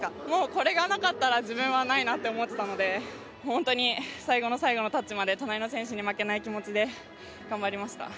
これがなかったら自分はないなと思っていたので本当に最後の最後のタッチまで隣の選手に負けない気持ちで頑張りました。